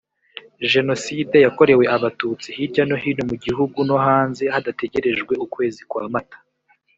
Jenoside yakorewe abatutsi hirya no hino mu gihugu no hanze hadategerejwe ukwezi kwa mata